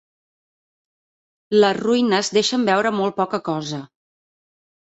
Les ruïnes deixen veure molt poca cosa.